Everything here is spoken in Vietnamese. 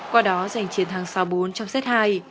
qua đó giành chiến thắng sáu bốn trong set hai